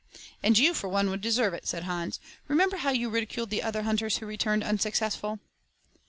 "And you for one would deserve it," said Hans. "Remember how you ridiculed the other hunters who returned unsuccessful."